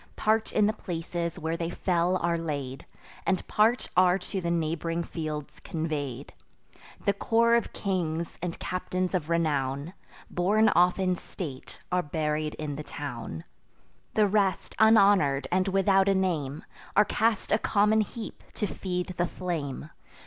Part in the places where they fell are laid; And part are to the neighb'ring fields convey'd. The corps of kings, and captains of renown, Borne off in state, are buried in the town; The rest, unhonour'd, and without a name, Are cast a common heap to feed the flame.